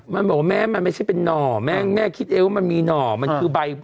มันบอกว่าแม่มันไม่ใช่เป็นหน่อแม่คิดเองว่ามันมีหน่อมันคือใบ